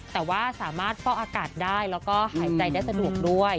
แต่ว่าสามารถฟอกอากาศได้แล้วก็หายใจได้สะดวกด้วย